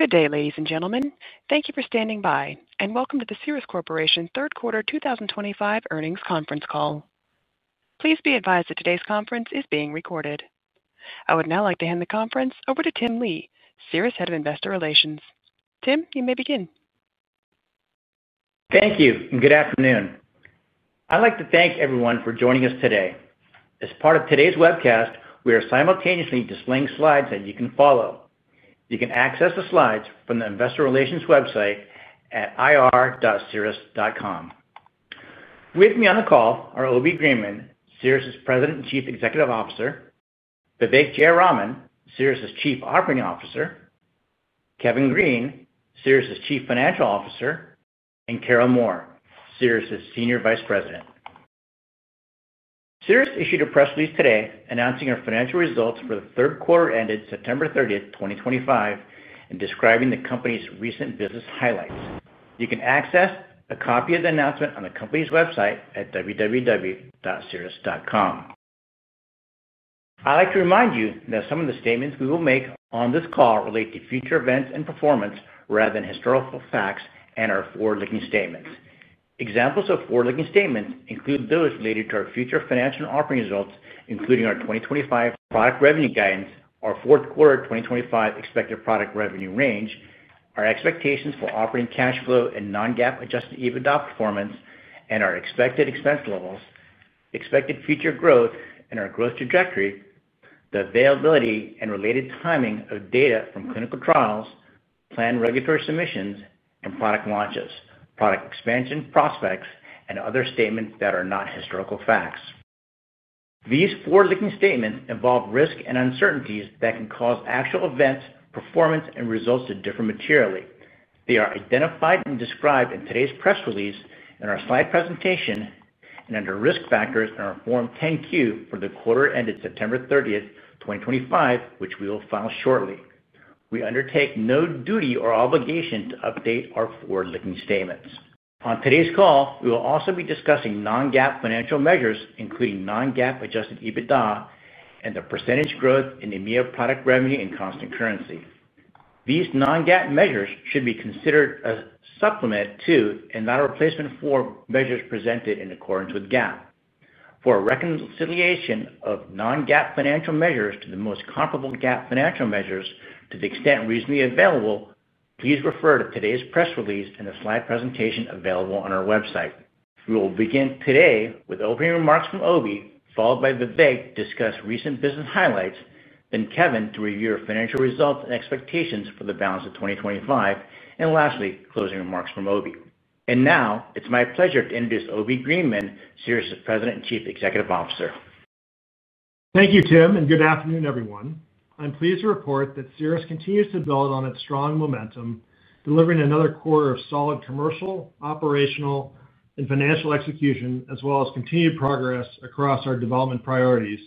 Good day, ladies and gentlemen. Thank you for standing by, and welcome to the Cerus Corporation Third Quarter 2025 Earnings Conference Call. Please be advised that today's conference is being recorded. I would now like to hand the conference over to Tim Lee, Cerus Head of Investor Relations. Tim, you may begin. Thank you, and good afternoon. I'd like to thank everyone for joining us today. As part of today's webcast, we are simultaneously displaying slides that you can follow. You can access the slides from the Investor Relations website at ir.cerus.com. With me on the call are Obi Greenman, Cerus' President and Chief Executive Officer; Vivek Jayaraman, Cerus' Chief Operating Officer, Kevin Green, Cerus' Chief Financial Officer, and Carol Moore, Cerus' Senior Vice President. Cerus issued a press release today announcing our financial results for the third quarter ended September 30th, 2025, and describing the company's recent business highlights. You can access a copy of the announcement on the company's website at www.cerus.com. I'd like to remind you that some of the statements we will make on this call relate to future events and performance rather than historical facts and are forward-looking statements. Examples of forward-looking statements include those related to our future financial and operating results, including our 2025 product revenue guidance, our fourth quarter 2025 expected product revenue range, our expectations for operating cash flow and non-GAAP Adjusted EBITDA performance, and our expected expense levels, expected future growth, and our growth trajectory, the availability and related timing of data from clinical trials, planned regulatory submissions, and product launches, product expansion prospects, and other statements that are not historical facts. These forward-looking statements involve risk and uncertainties that can cause actual events, performance, and results to differ materially. They are identified and described in today's press release and our slide presentation and under risk factors in our Form 10Q for the quarter ended September 30th, 2025, which we will file shortly. We undertake no duty or obligation to update our forward-looking statements. On today's call, we will also be discussing non-GAAP financial measures, including non-GAAP Adjusted EBITDA and the % growth in the amount of product revenue in constant currency. These non-GAAP measures should be considered a supplement to and not a replacement for measures presented in accordance with GAAP. For a reconciliation of non-GAAP financial measures to the most comparable GAAP financial measures to the extent reasonably available, please refer to today's press release and the slide presentation available on our website. We will begin today with opening remarks from Obi, followed by Vivek to discuss recent business highlights, then Kevin to review our financial results and expectations for the balance of 2025, and lastly, closing remarks from Obi. It is my pleasure to introduce Obi Greenman, Cerus' President and Chief Executive Officer. Thank you, Tim, and good afternoon, everyone. I'm pleased to report that Cerus continues to build on its strong momentum, delivering another quarter of solid commercial, operational, and financial execution, as well as continued progress across our development priorities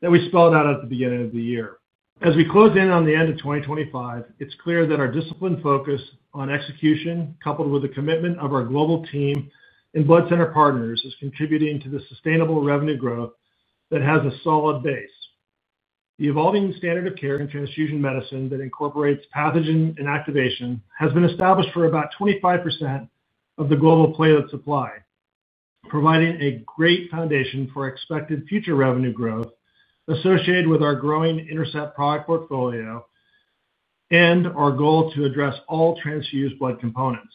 that we spelled out at the beginning of the year. As we close in on the end of 2025, it's clear that our disciplined focus on execution, coupled with the commitment of our global team and blood center partners, is contributing to the sustainable revenue growth that has a solid base. The evolving standard of care in transfusion medicine that incorporates pathogen inactivation has been established for about 25% of the global platelet supply, providing a great foundation for expected future revenue growth associated with our growing INTERCEPT product portfolio. Our goal to address all transfused blood components.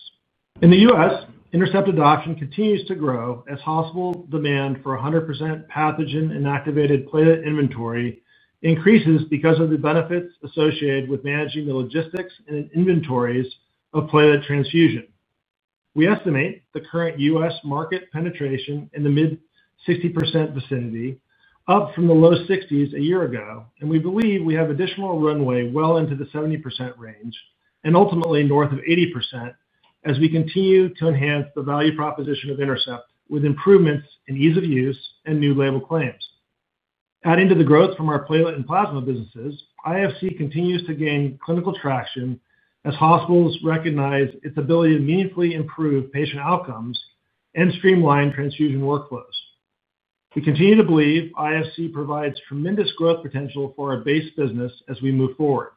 In the U.S., INTERCEPT adoption continues to grow as hospital demand for 100% pathogen inactivated platelet inventory increases because of the benefits associated with managing the logistics and inventories of platelet transfusion. We estimate the current U.S. market penetration in the mid-60% vicinity, up from the low 60% a year ago, and we believe we have additional runway well into the 70% range and ultimately north of 80% as we continue to enhance the value proposition of INTERCEPT with improvements in ease of use and new label claims. Adding to the growth from our platelet and plasma businesses, IFC continues to gain clinical traction as hospitals recognize its ability to meaningfully improve patient outcomes and streamline transfusion workflows. We continue to believe IFC provides tremendous growth potential for our base business as we move forward.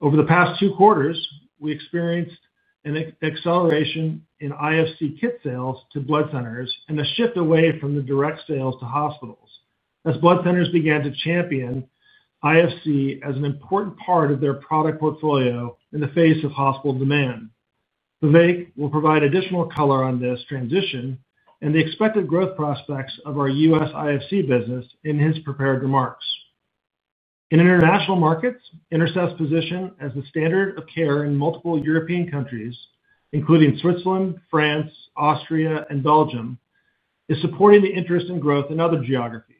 Over the past two quarters, we experienced an acceleration in IFC kit sales to blood centers and a shift away from the direct sales to hospitals as blood centers began to champion IFC as an important part of their product portfolio in the face of hospital demand. Vivek will provide additional color on this transition and the expected growth prospects of our U.S. IFC business in his prepared remarks. In international markets, INTERCEPT's position as the standard of care in multiple European countries, including Switzerland, France, Austria, and Belgium, is supporting the interest in growth in other geographies.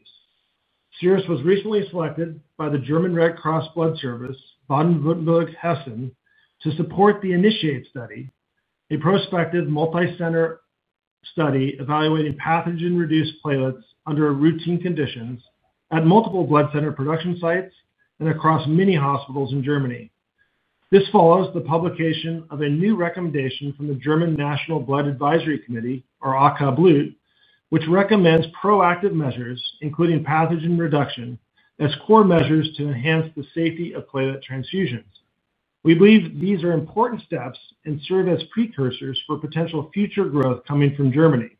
Cerus was recently selected by the German Red Cross Blood Service, Baden-Württemberg Hessen, to support the INITIATE study, a prospective multi-center study evaluating pathogen-reduced platelets under routine conditions at multiple blood center production sites and across many hospitals in Germany. This follows the publication of a new recommendation from the German National Blood Advisory Committee, or AK Blut, which recommends proactive measures, including pathogen reduction, as core measures to enhance the safety of platelet transfusions. We believe these are important steps and serve as precursors for potential future growth coming from Germany.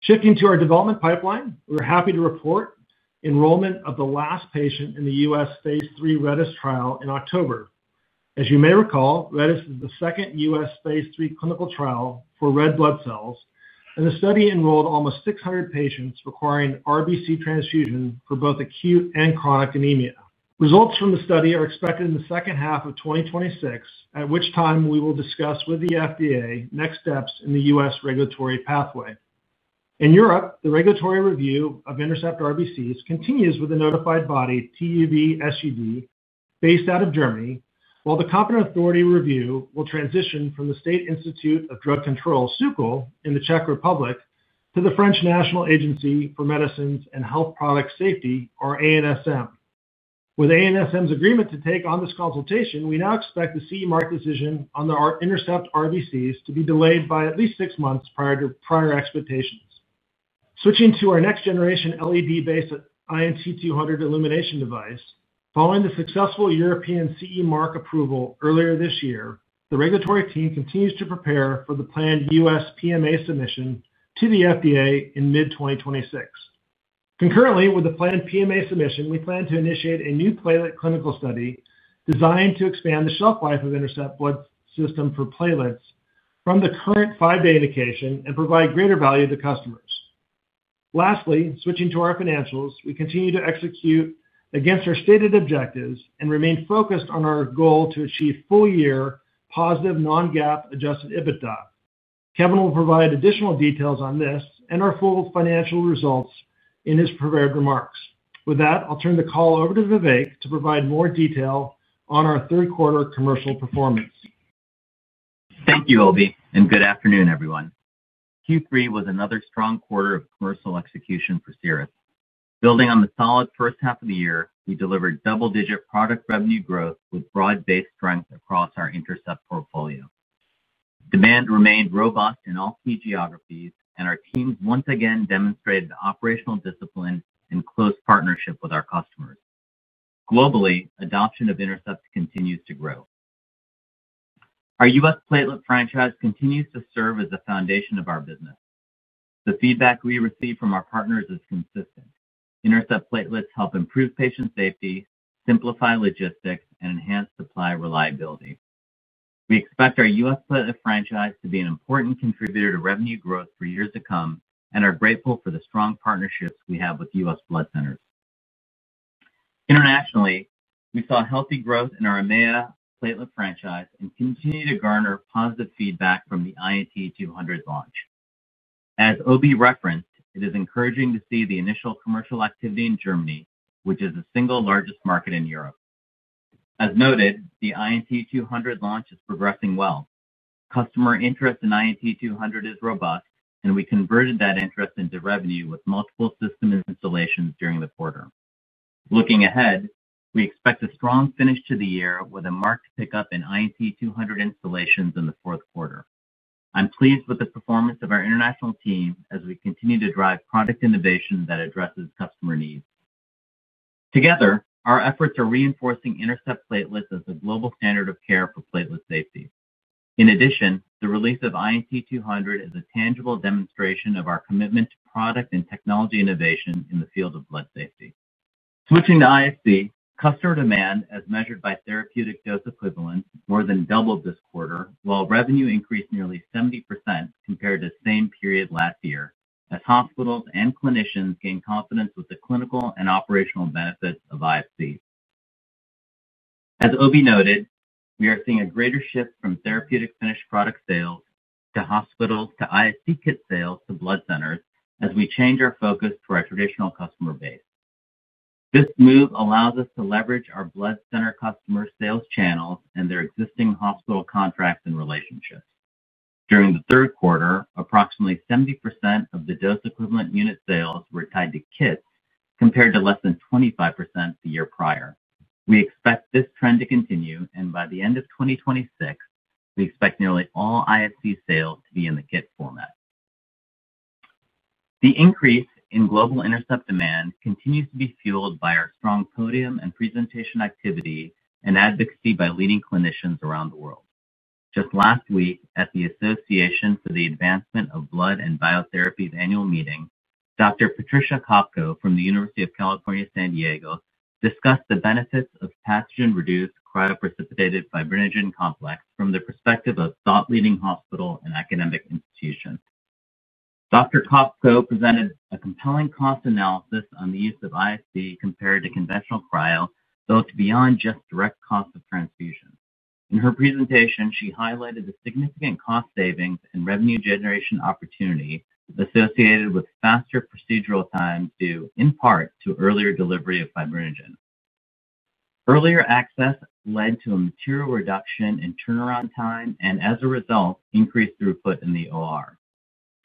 Shifting to our development pipeline, we're happy to report enrollment of the last patient in the U.S. phase III RedeS trial in October. As you may recall, RedeS is the second U.S. phase III clinical trial for red blood cells, and the study enrolled almost 600 patients requiring RBC transfusion for both acute and chronic anemia. Results from the study are expected in the second half of 2026, at which time we will discuss with the FDA next steps in the U.S. regulatory pathway. In Europe, the regulatory review of INTERCEPT RBCs continues with the notified body TÜV-SÜD, based out of Germany, while the competent authority review will transition from the State Institute of Drug Control, SÚKL, in the Czech Republic to the French National Agency for Medicines and Health Product Safety, or ANSM. With ANSM's agreement to take on this consultation, we now expect the CE mark decision on the INTERCEPT RBCs to be delayed by at least six months prior to prior expectations. Switching to our next-generation LED-based INT200 illumination device, following the successful European CE mark approval earlier this year, the regulatory team continues to prepare for the planned U.S. PMA submission to the FDA in mid-2026. Concurrently with the planned PMA submission, we plan to initiate a new platelet clinical study designed to expand the shelf life of INTERCEPT Blood System for platelets from the current five-day indication and provide greater value to customers. Lastly, switching to our financials, we continue to execute against our stated objectives and remain focused on our goal to achieve full-year positive non-GAAP Adjusted EBITDA. Kevin will provide additional details on this and our full financial results in his prepared remarks. With that, I'll turn the call over to Vivek to provide more detail on our third quarter commercial performance. Thank you, Obi, and good afternoon, everyone. Q3 was another strong quarter of commercial execution for Cerus. Building on the solid first half of the year, we delivered double-digit product revenue growth with broad-based strength across our INTERCEPT portfolio. Demand remained robust in all key geographies, and our teams once again demonstrated operational discipline and close partnership with our customers. Globally, adoption of INTERCEPT continues to grow. Our U.S. platelet franchise continues to serve as the foundation of our business. The feedback we receive from our partners is consistent. INTERCEPT platelets help improve patient safety, simplify logistics, and enhance supply reliability. We expect our U.S. platelet franchise to be an important contributor to revenue growth for years to come and are grateful for the strong partnerships we have with U.S. blood centers. Internationally, we saw healthy growth in our EMEA platelet franchise and continue to garner positive feedback from the INT200 launch. As Obi referenced, it is encouraging to see the initial commercial activity in Germany, which is the single largest market in Europe. As noted, the INT200 launch is progressing well. Customer interest in INT200 is robust, and we converted that interest into revenue with multiple system installations during the quarter. Looking ahead, we expect a strong finish to the year with a marked pickup in INT200 installations in the fourth quarter. I'm pleased with the performance of our international team as we continue to drive product innovation that addresses customer needs. Together, our efforts are reinforcing INTERCEPT platelets as the global standard of care for platelet safety. In addition, the release of INT200 is a tangible demonstration of our commitment to product and technology innovation in the field of blood safety. Switching to IFC, customer demand, as measured by therapeutic dose equivalent, more than doubled this quarter, while revenue increased nearly 70% compared to the same period last year, as hospitals and clinicians gained confidence with the clinical and operational benefits of IFC. As Obi noted, we are seeing a greater shift from therapeutic finished product sales to hospitals to IFC kit sales to blood centers as we change our focus to our traditional customer base. This move allows us to leverage our blood center customer sales channels and their existing hospital contracts and relationships. During the third quarter, approximately 70% of the dose-equivalent unit sales were tied to kits compared to less than 25% the year prior. We expect this trend to continue, and by the end of 2026, we expect nearly all IFC sales to be in the kit format. The increase in global INTERCEPT demand continues to be fueled by our strong podium and presentation activity and advocacy by leading clinicians around the world. Just last week, at the Association for the Advancement of Blood and Biotherapy's annual meeting, Dr. Patricia Kopko from the University of California, San Diego, discussed the benefits of pathogen-reduced cryoprecipitated fibrinogen complex from the perspective of thought-leading hospital and academic institutions. Dr. Kopko presented a compelling cost analysis on the use of IFC compared to conventional cryo built beyond just direct cost of transfusion. In her presentation, she highlighted the significant cost savings and revenue generation opportunity associated with faster procedural time due, in part, to earlier delivery of fibrinogen. Earlier access led to a material reduction in turnaround time and, as a result, increased throughput in the OR.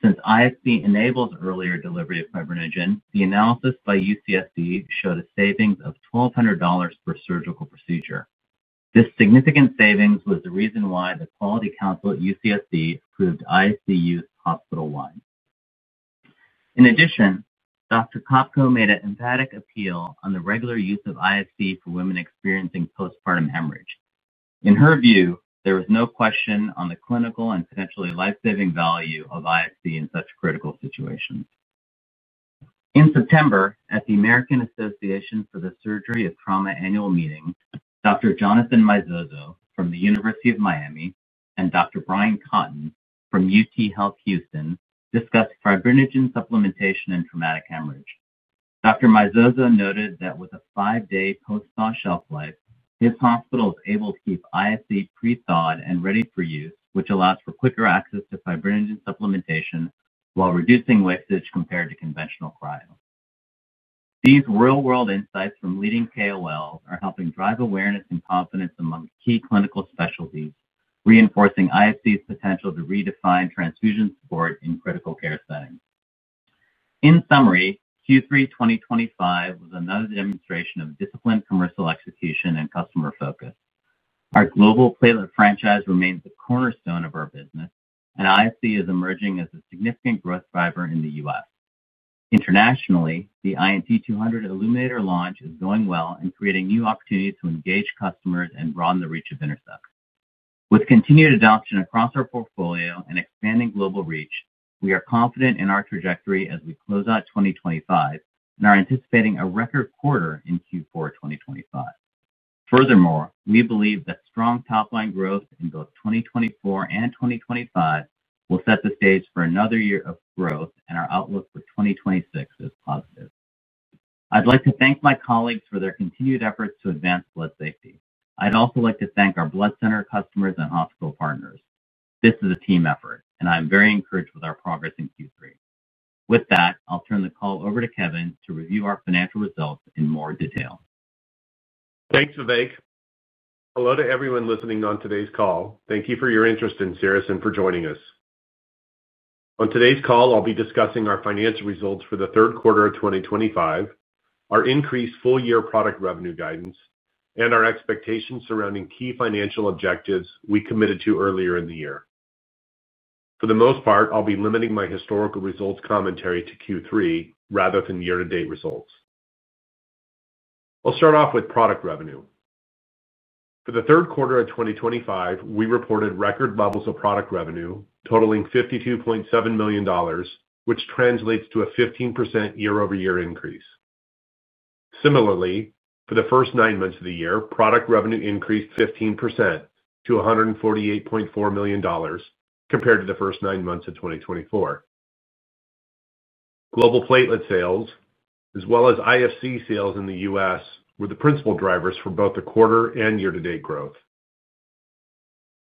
Since IFC enables earlier delivery of fibrinogen, the analysis by UCSD showed a savings of $1,200 per surgical procedure. This significant savings was the reason why the Quality Council at UCSD approved IFC use hospital-wide. In addition, Dr. Kopko made an emphatic appeal on the regular use of IFC for women experiencing postpartum hemorrhage. In her view, there was no question on the clinical and potentially lifesaving value of IFC in such critical situations. In September, at the American Association for the Surgery of Trauma annual meeting, Dr. Jonathan Meizozo from the University of Miami and Dr. Bryan Cotton from UTHealth Houston discussed fibrinogen supplementation in traumatic hemorrhage. Dr. Meizozo noted that with a five-day post-thaw shelf life, his hospital is able to keep IFC pre-thawed and ready for use, which allows for quicker access to fibrinogen supplementation while reducing wastage compared to conventional cryo. These real-world insights from leading KOLs are helping drive awareness and confidence among key clinical specialties, reinforcing IFC's potential to redefine transfusion support in critical care settings. In summary, Q3 2025 was another demonstration of disciplined commercial execution and customer focus. Our global platelet franchise remains the cornerstone of our business, and IFC is emerging as a significant growth driver in the U.S. Internationally, the INT200 illuminator launch is going well and creating new opportunities to engage customers and broaden the reach of INTERCEPT. With continued adoption across our portfolio and expanding global reach, we are confident in our trajectory as we close out 2025 and are anticipating a record quarter in Q4 2025. Furthermore, we believe that strong top-line growth in both 2024 and 2025 will set the stage for another year of growth, and our outlook for 2026 is positive. I'd like to thank my colleagues for their continued efforts to advance blood safety. I'd also like to thank our blood center customers and hospital partners. This is a team effort, and I'm very encouraged with our progress in Q3. With that, I'll turn the call over to Kevin to review our financial results in more detail. Thanks, Vivek. Hello to everyone listening on today's call. Thank you for your interest in Cerus and for joining us. On today's call, I'll be discussing our financial results for the third quarter of 2025, our increased full-year product revenue guidance, and our expectations surrounding key financial objectives we committed to earlier in the year. For the most part, I'll be limiting my historical results commentary to Q3 rather than year-to-date results. I'll start off with product revenue. For the third quarter of 2025, we reported record levels of product revenue totaling $52.7 million, which translates to a 15% year-over-year increase. Similarly, for the first nine months of the year, product revenue increased 15% to $148.4 million compared to the first nine months of 2024. Global platelet sales, as well as IFC sales in the U.S., were the principal drivers for both the quarter and year-to-date growth.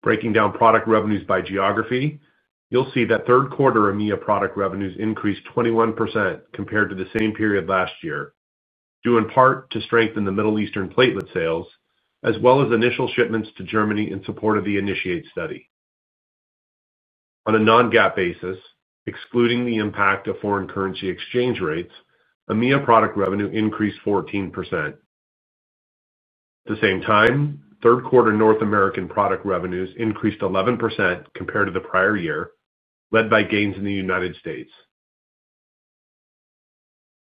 Breaking down product revenues by geography, you'll see that third-quarter EMEA product revenues increased 21% compared to the same period last year, due in part to strength in the Middle Eastern platelet sales, as well as initial shipments to Germany in support of the INITIATE study. On a non-GAAP basis, excluding the impact of foreign currency exchange rates, EMEA product revenue increased 14%. At the same time, third-quarter North American product revenues increased 11% compared to the prior year, led by gains in the United States.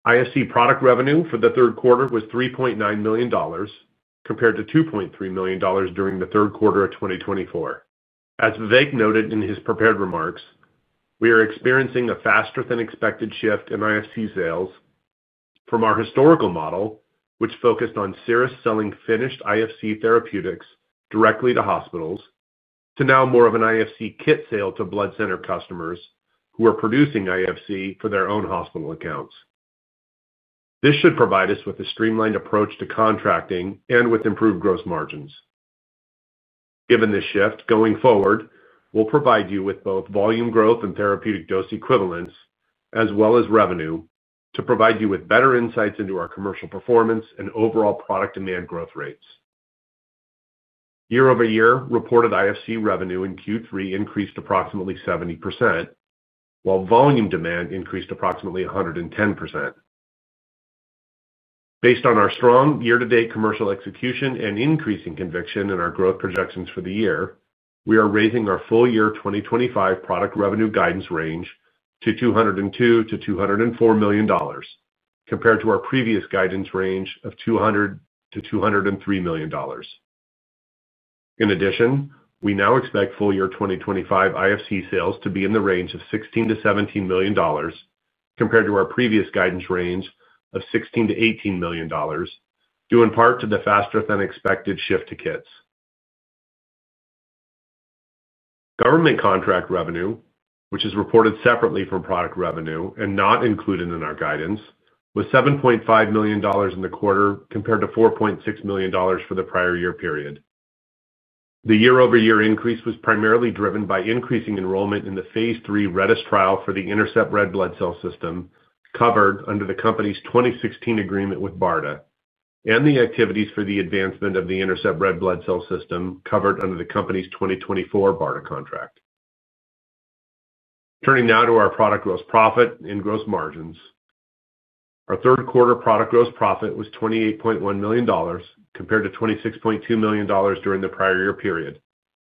IFC product revenue for the third quarter was $3.9 million compared to $2.3 million during the third quarter of 2024. As Vivek noted in his prepared remarks, we are experiencing a faster-than-expected shift in IFC sales from our historical model, which focused on Cerus selling finished IFC therapeutics directly to hospitals, to now more of an IFC kit sale to blood center customers who are producing IFC for their own hospital accounts. This should provide us with a streamlined approach to contracting and with improved gross margins. Given this shift, going forward, we'll provide you with both volume growth and therapeutic dose equivalents, as well as revenue, to provide you with better insights into our commercial performance and overall product demand growth rates. Year-over-year, reported IFC revenue in Q3 increased approximately 70%. While volume demand increased approximately 110%. Based on our strong year-to-date commercial execution and increasing conviction in our growth projections for the year, we are raising our full-year 2025 product revenue guidance range to $202 million-$204 million, compared to our previous guidance range of $200 million-$203 million. In addition, we now expect full-year 2025 IFC sales to be in the range of $16 million-$17 million, compared to our previous guidance range of $16 million-$18 million, due in part to the faster-than-expected shift to kits. Government contract revenue, which is reported separately from product revenue and not included in our guidance, was $7.5 million in the quarter compared to $4.6 million for the prior year period. The year-over-year increase was primarily driven by increasing enrollment in the phase III RedeS trial for the INTERCEPT red blood cell system covered under the company's 2016 agreement with BARDA, and the activities for the advancement of the INTERCEPT red blood cell system covered under the company's 2024 BARDA contract. Turning now to our product gross profit and gross margins. Our third-quarter product gross profit was $28.1 million compared to $26.2 million during the prior year period,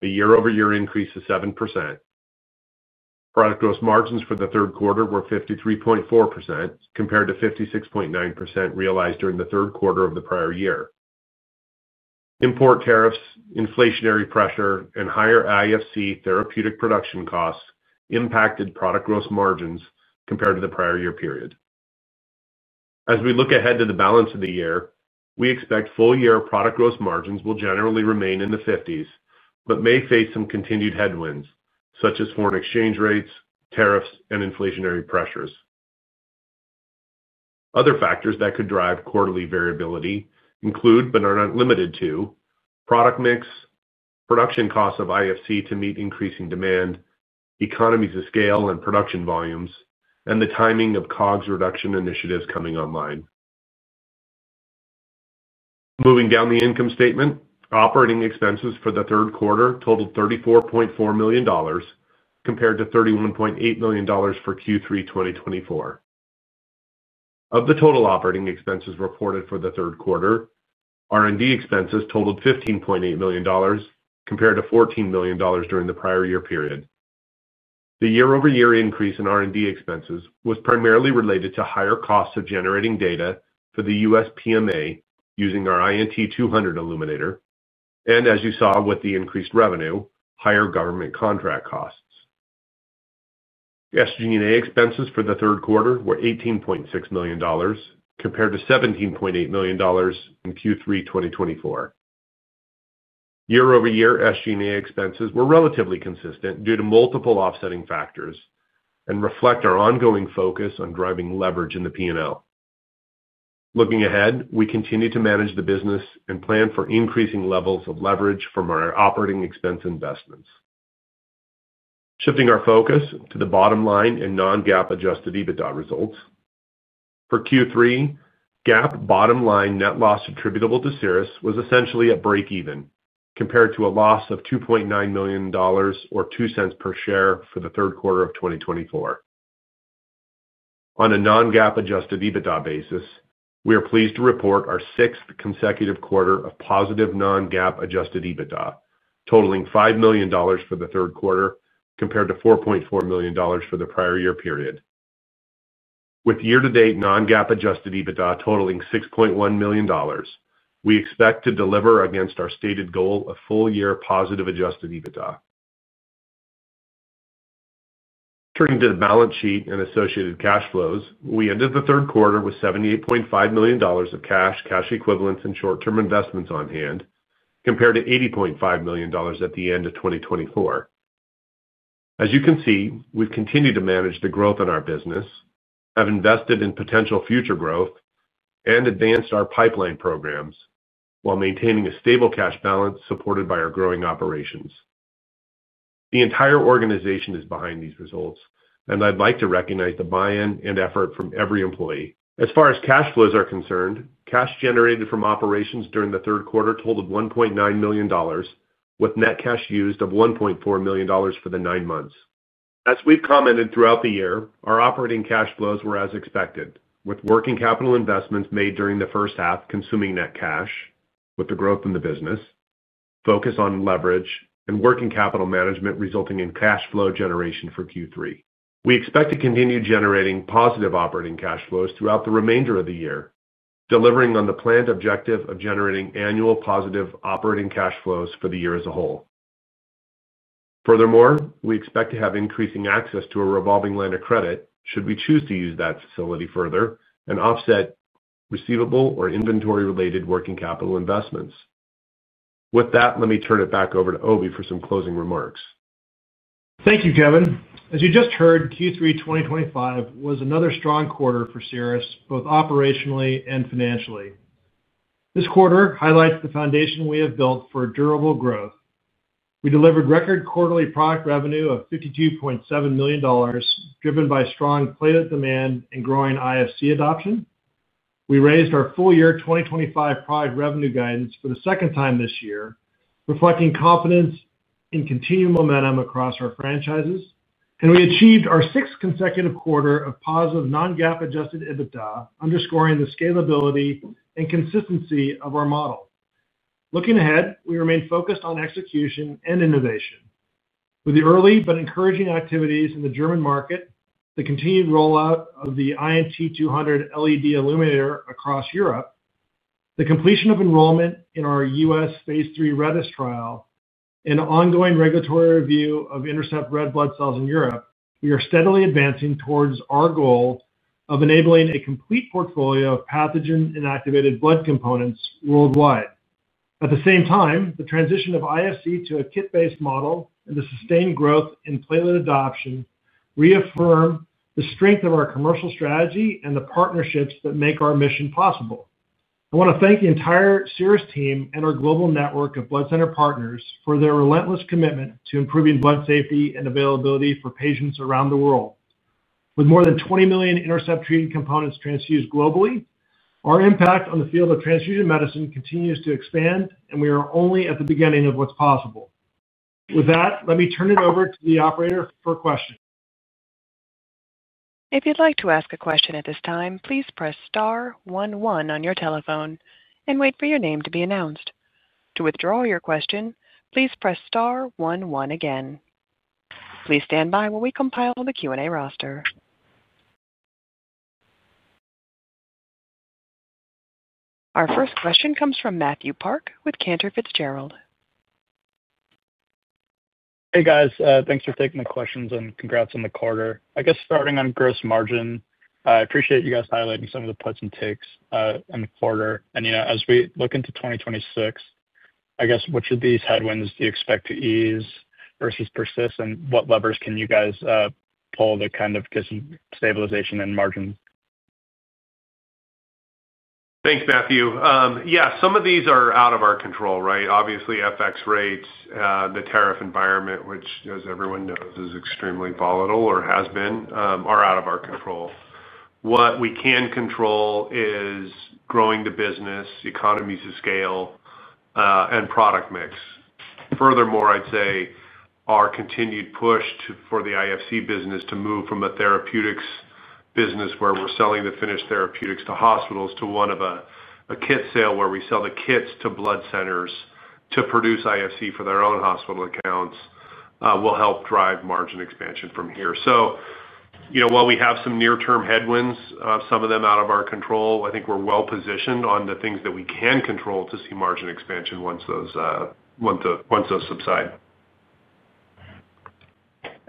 a year-over-year increase of 7%. Product gross margins for the third quarter were 53.4% compared to 56.9% realized during the third quarter of the prior year. Import tariffs, inflationary pressure, and higher IFC therapeutic production costs impacted product gross margins compared to the prior year period. As we look ahead to the balance of the year, we expect full-year product gross margins will generally remain in the 50s but may face some continued headwinds, such as foreign exchange rates, tariffs, and inflationary pressures. Other factors that could drive quarterly variability include, but are not limited to, product mix, production costs of IFC to meet increasing demand, economies of scale and production volumes, and the timing of COGS reduction initiatives coming online. Moving down the income statement, operating expenses for the third quarter totaled $34.4 million, compared to $31.8 million for Q3 2024. Of the total operating expenses reported for the third quarter, R&D expenses totaled $15.8 million compared to $14 million during the prior year period. The year-over-year increase in R&D expenses was primarily related to higher costs of generating data for the U.S. PMA using our INT200 illuminator, and as you saw with the increased revenue, higher government contract costs. SG&A expenses for the third quarter were $18.6 million compared to $17.8 million in Q3 2024. Year-over-year SG&A expenses were relatively consistent due to multiple offsetting factors and reflect our ongoing focus on driving leverage in the P&L. Looking ahead, we continue to manage the business and plan for increasing levels of leverage from our operating expense investments. Shifting our focus to the bottom line and non-GAAP Adjusted EBITDA results. For Q3, GAAP bottom line net loss attributable to Cerus was essentially at break-even compared to a loss of $2.9 million or $0.02 per share for the third quarter of 2024. On a non-GAAP Adjusted EBITDA basis, we are pleased to report our sixth consecutive quarter of positive non-GAAP Adjusted EBITDA totaling $5 million for the third quarter compared to $4.4 million for the prior year period. With year-to-date non-GAAP Adjusted EBITDA totaling $6.1 million, we expect to deliver against our stated goal of full-year positive Adjusted EBITDA. Turning to the balance sheet and associated cash flows, we ended the third quarter with $78.5 million of cash, cash equivalents, and short-term investments on hand compared to $80.5 million at the end of 2024. As you can see, we've continued to manage the growth in our business. Have invested in potential future growth, and advanced our pipeline programs while maintaining a stable cash balance supported by our growing operations. The entire organization is behind these results, and I'd like to recognize the buy-in and effort from every employee. As far as cash flows are concerned, cash generated from operations during the third quarter totaled $1.9 million, with net cash used of $1.4 million for the nine months. As we've commented throughout the year, our operating cash flows were as expected, with working capital investments made during the first half consuming net cash, with the growth in the business. Focus on leverage, and working capital management resulting in cash flow generation for Q3. We expect to continue generating positive operating cash flows throughout the remainder of the year, delivering on the planned objective of generating annual positive operating cash flows for the year as a whole. Furthermore, we expect to have increasing access to a revolving line of credit should we choose to use that facility further and offset receivable or inventory-related working capital investments. With that, let me turn it back over to Obi for some closing remarks. Thank you, Kevin. As you just heard, Q3 2025 was another strong quarter for Cerus, both operationally and financially. This quarter highlights the foundation we have built for durable growth. We delivered record quarterly product revenue of $52.7 million, driven by strong platelet demand and growing IFC adoption. We raised our full-year 2025 product revenue guidance for the second time this year, reflecting confidence in continued momentum across our franchises, and we achieved our sixth consecutive quarter of positive non-GAAP Adjusted EBITDA, underscoring the scalability and consistency of our model. Looking ahead, we remain focused on execution and innovation. With the early but encouraging activities in the German market, the continued rollout of the INT200 LED illuminator across Europe, the completion of enrollment in our U.S. phase III RedeS trial, and ongoing regulatory review of INTERCEPT red blood cells in Europe, we are steadily advancing towards our goal of enabling a complete portfolio of pathogen-inactivated blood components worldwide. At the same time, the transition of IFC to a kit-based model and the sustained growth in platelet adoption reaffirm the strength of our commercial strategy and the partnerships that make our mission possible. I want to thank the entire Cerus team and our global network of blood center partners for their relentless commitment to improving blood safety and availability for patients around the world. With more than 20 million INTERCEPT treating components transfused globally, our impact on the field of transfusion medicine continues to expand, and we are only at the beginning of what's possible. With that, let me turn it over to the operator for questions. If you'd like to ask a question at this time, please press star one one on your telephone and wait for your name to be announced. To withdraw your question, please press star one one again. Please stand by while we compile the Q&A roster. Our first question comes from Matthew Park with Cantor Fitzgerald. Hey, guys. Thanks for taking the questions and congrats on the quarter. I guess starting on gross margin, I appreciate you guys highlighting some of the points and takes in the quarter. As we look into 2026, I guess which of these headwinds do you expect to ease versus persist, and what levers can you guys pull to kind of get some stabilization in margins? Thanks, Matthew. Yeah, some of these are out of our control, right? Obviously, FX rates, the tariff environment, which, as everyone knows, is extremely volatile or has been, are out of our control. What we can control is growing the business, economies of scale, and product mix. Furthermore, I'd say our continued push for the IFC business to move from a therapeutics business where we're selling the finished therapeutics to hospitals to one of a kit sale where we sell the kits to blood centers to produce IFC for their own hospital accounts will help drive margin expansion from here. While we have some near-term headwinds, some of them out of our control, I think we're well positioned on the things that we can control to see margin expansion once those subside.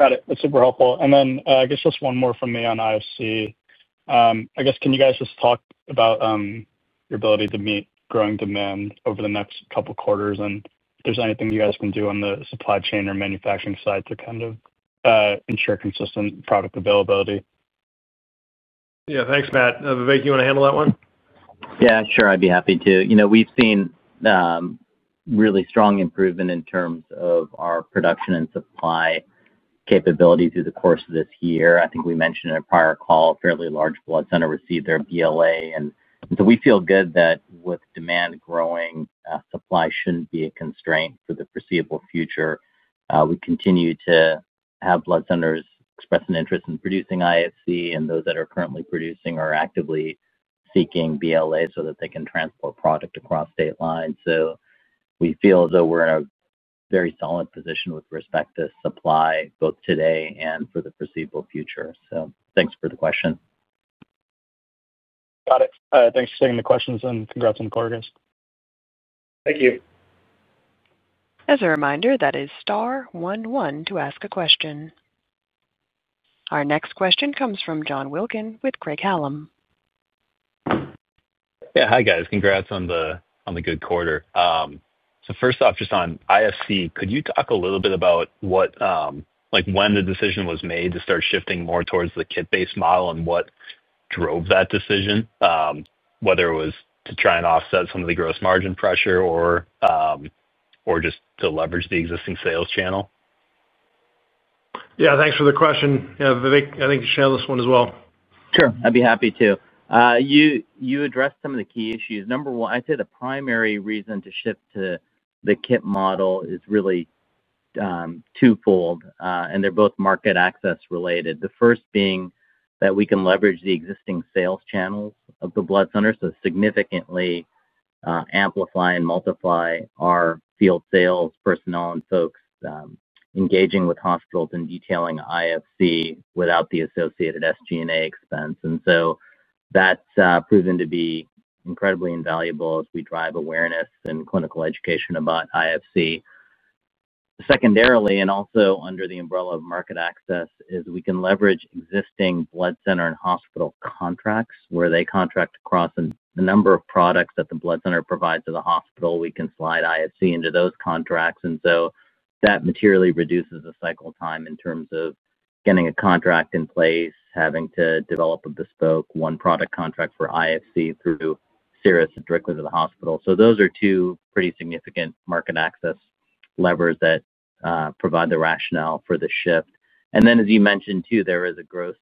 Got it. That's super helpful. I guess just one more from me on IFC. I guess can you guys just talk about your ability to meet growing demand over the next couple of quarters and if there's anything you guys can do on the supply chain or manufacturing side to kind of ensure consistent product availability? Yeah, thanks, Matt. Vivek, you want to handle that one? Yeah, sure. I'd be happy to. We've seen really strong improvement in terms of our production and supply capability through the course of this year. I think we mentioned in a prior call, a fairly large blood center received their BLA. We feel good that with demand growing, supply shouldn't be a constraint for the foreseeable future. We continue to have blood centers express an interest in producing IFC, and those that are currently producing are actively seeking BLA so that they can transport product across state lines. We feel that we're in a very solid position with respect to supply both today and for the foreseeable future. Thanks for the question. Got it. Thanks for taking the questions and congrats on the quarter, guys. Thank you. As a reminder, that is star one one to ask a question. Our next question comes from John Wilkin with Craig-Hallum. Yeah, hi, guys. Congrats on the good quarter. First off, just on IFC, could you talk a little bit about when the decision was made to start shifting more towards the kit-based model and what drove that decision? Whether it was to try and offset some of the gross margin pressure or just to leverage the existing sales channel? Yeah, thanks for the question. I think you should share this one as well. Sure. I'd be happy to. You addressed some of the key issues. Number one, I'd say the primary reason to shift to the kit model is really twofold, and they're both market access related. The first being that we can leverage the existing sales channels of the blood center, so significantly amplify and multiply our field sales personnel and folks engaging with hospitals and detailing IFC without the associated SG&A expense. That has proven to be incredibly invaluable as we drive awareness and clinical education about IFC. Secondarily, and also under the umbrella of market access, is we can leverage existing blood center and hospital contracts where they contract across a number of products that the blood center provides to the hospital. We can slide IFC into those contracts. That materially reduces the cycle time in terms of getting a contract in place, having to develop a bespoke one-product contract for IFC through Cerus directly to the hospital. Those are two pretty significant market access levers that provide the rationale for the shift. As you mentioned too, there is a gross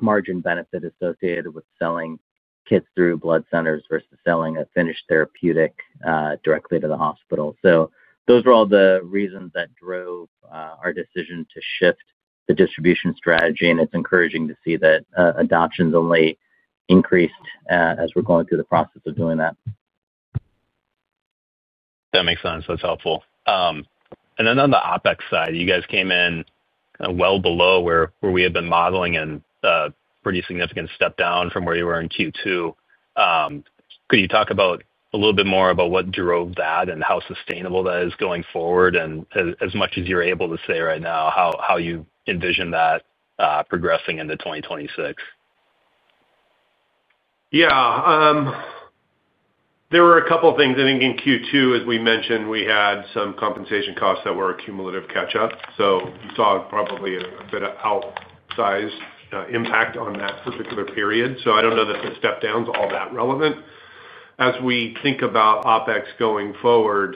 margin benefit associated with selling kits through blood centers versus selling a finished therapeutic directly to the hospital. Those were all the reasons that drove our decision to shift the distribution strategy. It is encouraging to see that adoptions only increased as we're going through the process of doing that. That makes sense. That's helpful. On the OpEx side, you guys came in kind of well below where we had been modeling and a pretty significant step down from where you were in Q2. Could you talk a little bit more about what drove that and how sustainable that is going forward? As much as you're able to say right now, how you envision that progressing into 2026? Yeah. There were a couple of things. I think in Q2, as we mentioned, we had some compensation costs that were accumulative catch-up. You saw probably a bit of outsized impact on that particular period. I do not know that the step downs are all that relevant as we think about OpEx going forward.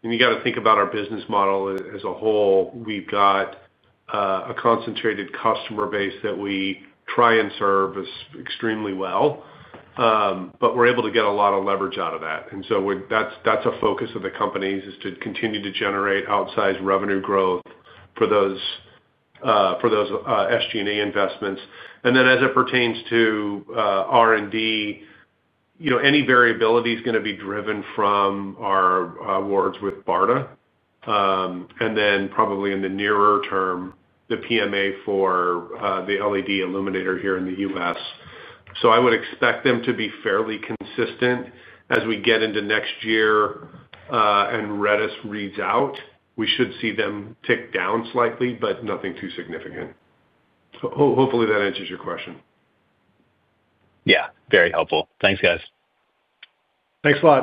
You got to think about our business model as a whole. We have got a concentrated customer base that we try and serve extremely well, but we are able to get a lot of leverage out of that. That is a focus of the company, to continue to generate outsized revenue growth for those strategic investments. As it pertains to R&D, any variability is going to be driven from our awards with BARDA, and then probably in the nearer term, the PMA for the LED illuminator here in the U.S. I would expect them to be fairly consistent as we get into next year. As RedeS reads out, we should see them tick down slightly, but nothing too significant. Hopefully that answers your question. Yeah. Very helpful. Thanks, guys. Thanks a lot.